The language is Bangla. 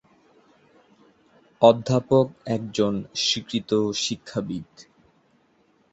অধ্যাপক একজন স্বীকৃত শিক্ষাবিদ।